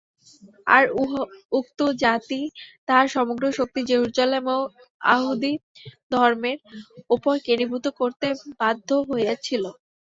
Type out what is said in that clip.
আর উক্ত জাতি তাহার সমগ্র শক্তি জেরুজালেম ও য়াহুদীধর্মের উপর কেন্দ্রীভূত করিতে বাধ্য হইয়াছিল।